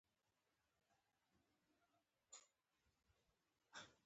د باران اوبو ذخیره کول پکار دي